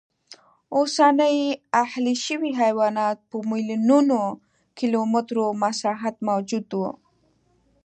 اوسني اهلي شوي حیوانات په میلیونونو کیلومترو مساحت موجود و